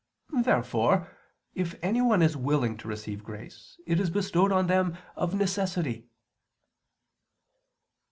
Therefore, if anyone is willing to receive grace it is bestowed on them of necessity.